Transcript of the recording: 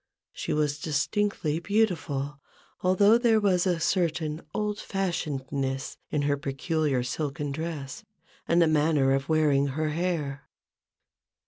She was distinctly beautiful ; although there was a certain old fashionedness in her peculiar silken dress, and the manner of wearing her hair.